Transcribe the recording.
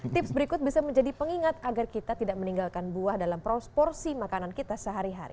tips berikut bisa menjadi pengingat agar kita tidak meninggalkan buah dalam porsi makanan kita sehari hari